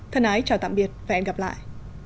thân ái chào tạm biệt và hẹn gặp lại